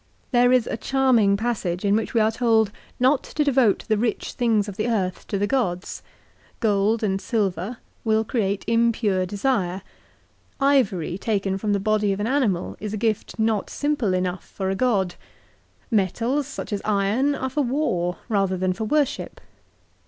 There is a charming passage in which we 1 De Legibus, lib. i. ca. vii. 2 Ibid. lib. i ca. x. 378 LIFE OF CICERO. are told not to devote the rich things of the earth to the gods. Gold and silver will create impure desire. Ivory, taken from the body of an animal is a gift not simple enough for a god. Metals, such as iron, are for war rather than for worship.